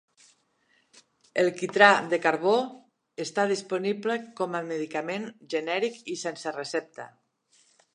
El quitrà de carbó està disponible com a medicament genèric i sense recepta.